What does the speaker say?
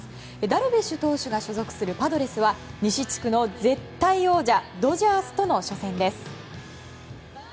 ダルビッシュ投手が所属するパドレスは西地区の絶対王者ドジャースとの初戦です。